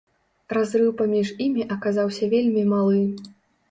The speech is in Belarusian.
Разрыў паміж імі аказаўся вельмі малы.